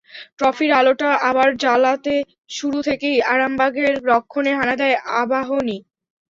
ট্রফির আলোটা আবার জ্বালাতে শুরু থেকেই আরামবাগের রক্ষণে হানা দেয় আবাহনী।